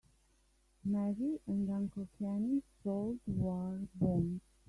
Maggie and Uncle Kenny sold war bonds.